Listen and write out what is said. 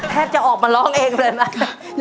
แทบจะออกมาร้องเองเลยนะ